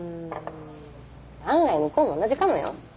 案外向こうも同じかもよ？